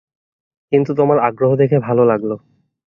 কিন্তু তোমার আগ্রহ দেখে ভালো লাগলো।